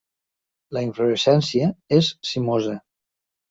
La inflorescència és cimosa.